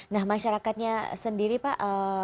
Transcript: nah masyarakatnya sendiri pak